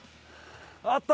あった！